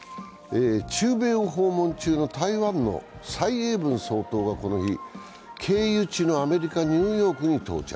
中米を訪問中の台湾の蔡英文総統がこの日、経由地のアメリカ・ニューヨークに到着。